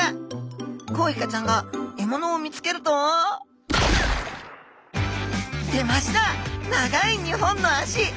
コウイカちゃんが獲物を見つけると出ました長い２本の足！